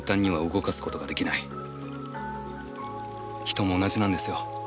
人も同じなんですよ。